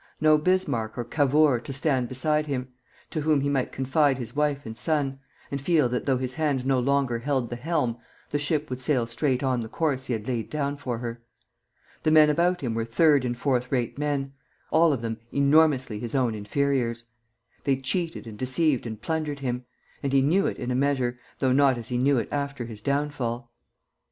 No Bismarck or Cavour stood beside him, to whom he might confide his wife and son, and feel that though his hand no longer held the helm, the ship would sail straight on the course he had laid down for her. The men about him were third and fourth rate men, all of them enormously his own inferiors. They cheated and deceived and plundered him; and he knew it in a measure, though not as he knew it after his downfall.